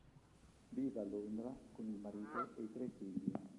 Vive a Londra, con il marito e i tre figli.